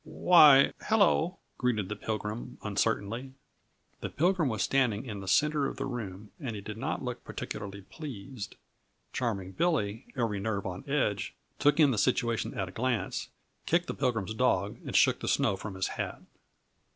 "Why, hello," greeted the Pilgrim uncertainly, The Pilgrim was standing in the centre of the room, and he did not look particularly pleased. Charming Billy, every nerve on edge, took in the situation at a glance, kicked the Pilgrim's dog and shook the snow from his hat.